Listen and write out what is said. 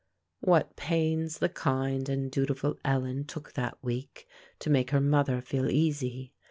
What pains the kind and dutiful Ellen took that week to make her mother feel easy!